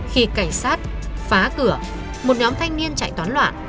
khi cảnh sát phá cửa một nhóm thanh niên chạy toán loạn